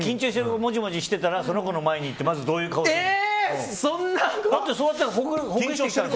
もじもじしてたらその子の前に行ってどういう顔するの？